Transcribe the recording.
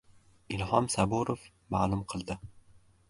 Ilhom Saburov ma’lum qildi.